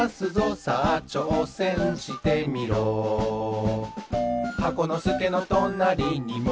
「さあちょうせんしてみろ」「箱のすけのとなりにもうひとり？」